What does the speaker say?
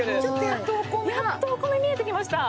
やっとお米見えてきました。